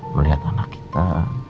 melihat anak kita